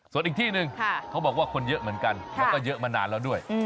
ส่วนอีกที่หนึ่งเขาบอกว่าคนเยอะเหมือนกันแล้วก็เยอะมานานแล้วด้วย